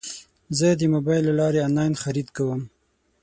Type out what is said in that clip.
زه د موبایل له لارې انلاین خرید کوم.